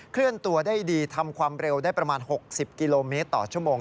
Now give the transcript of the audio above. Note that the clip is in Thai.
เคลื่อนตัวได้ดีทำความเร็วได้ประมาณ๖๐กิโลเมตรต่อชั่วโมง